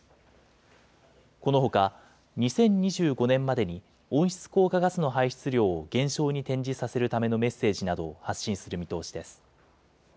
このほか、２０２５年までに温室効果ガスの排出量を減少に転じさせるためのメッセージなどを発信する見通しです。